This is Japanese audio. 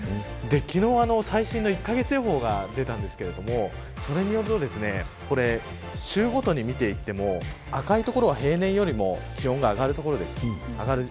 昨日、最新の１カ月予報が出たんですがそれによると週ごとに見ていっても赤い所は平年よりも気温が上がる所です。